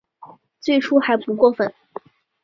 最初还不过分